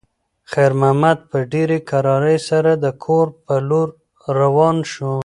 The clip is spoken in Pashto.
خیر محمد په ډېرې کرارۍ سره د کور په لور روان شو.